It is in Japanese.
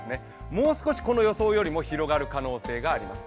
もう少しこの予想よりも広がる可能性があります。